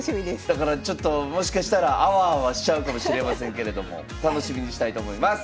だからちょっともしかしたらあわあわしちゃうかもしれませんけれども楽しみにしたいと思います。